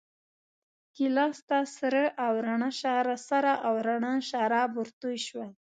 ګیلاس ته سره او راڼه شراب ورتوی شول.